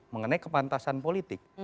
mengenai kepantasan politik